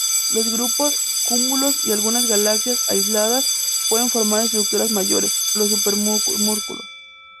Los grupos, cúmulos y algunas galaxias aisladas pueden formar estructuras mayores: los supercúmulos.